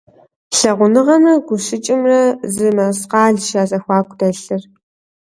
Лъагъуныгъэмрэ гущыкӏымрэ зы мэскъалщ я зэхуаку дэлъыр.